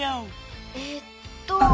えっと。